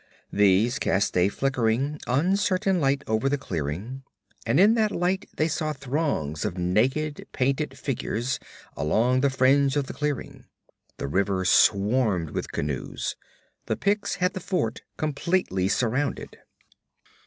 These cast a flickering, uncertain light over the clearing, and in that light they saw throngs of naked, painted figures along the fringe of the clearing. The river swarmed with canoes. The Picts had the fort completely surrounded.